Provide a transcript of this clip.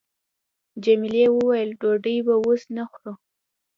جميلې وويل:، ډوډۍ به اوس نه خورو.